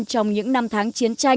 trong những năm tháng chiến tranh